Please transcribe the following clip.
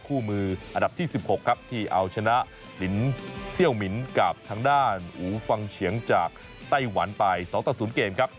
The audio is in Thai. คู่มืออันดับที่๑๖ครับที่เอาชนะลินเซี่ยวหมินกับทางด้านอูฟังเฉียงจากไต้หวันไป๒ต่อ๐เกมครับ